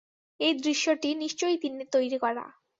এই দৃশ্যটি নিশ্চয়ই তিন্নির তৈরি করা।